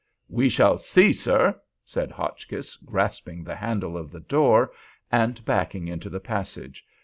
"We shall see, sir," said Hotchkiss, grasping the handle of the door and backing into the passage.